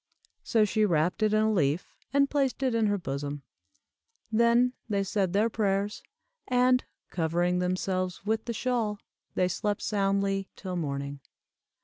So she wrapped it in a leaf, and placed it in her bosom. Then they said their prayers, and, covering themselves with the shawl, they slept soundly till morning.